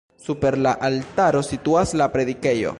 Super la altaro situas la predikejo.